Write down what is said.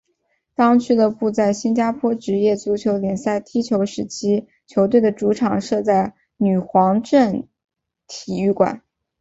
当俱乐部在新加坡职业足球联赛踢球时期球队的主场设在女皇镇体育场。